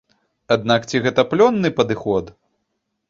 Аднак ці гэта плённы падыход?